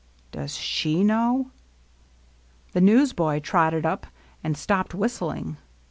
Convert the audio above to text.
Does she know ?" The newsboy trotted up, and stopped whistling.